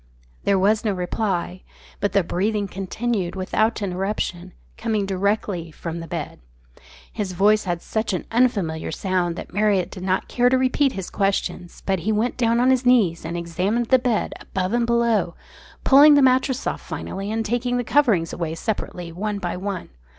There was no reply; but the breathing continued without interruption, coming directly from the bed. His voice had such an unfamiliar sound that Marriott did not care to repeat his questions, but he went down on his knees and examined the bed above and below, pulling the mattress off finally, and taking the coverings away separately one by one.